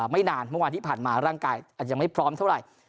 ไม่นานเมื่อวานที่ผ่านมาร่างกายอาจจะยังไม่พร้อมเท่าไหร่